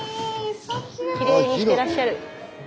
スタジオきれいにしてらっしゃる。